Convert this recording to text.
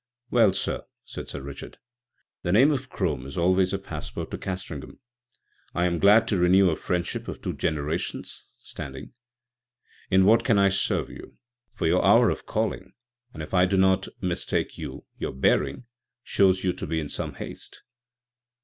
"Well, sir," said Sir Richard, "the name of Crome is always a passport to Castringham. I am glad to renew a friendship of two generations' standing. In what can I serve you? for your hour of calling â€" and, if I do not mistake you, your bearing â€" shows you to be in some haste."